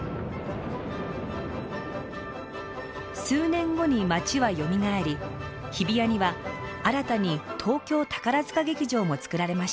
数年後に街はよみがえり日比谷には新たに東京宝塚劇場も造られました。